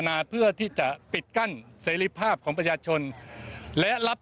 แม้กระทั่งการออกหมายจับ